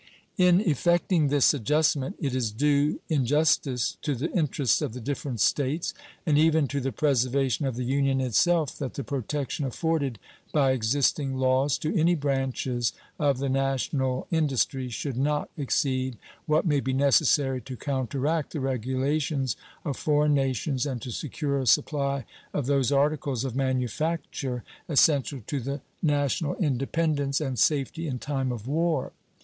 In effecting this adjustment it is due, in justice to the interests of the different States, and even to the preservation of the Union itself, that the protection afforded by existing laws to any branches of the national industry should not exceed what may be necessary to counteract the regulations of foreign nations and to secure a supply of those articles of manufacture essential to the national independence and safety in time of war.